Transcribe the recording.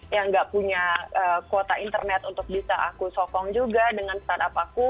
yang gak punya kuota internet untuk bisa aku sokong juga dengan startup aku